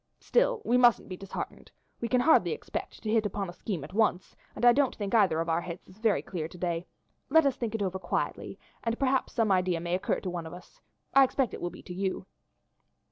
Still we mustn't be disheartened. We can hardly expect to hit upon a scheme at once, and I don't think either of our heads is very clear to day; let us think it over quietly, and perhaps some other idea may occur to one of us, I expect it will be to you.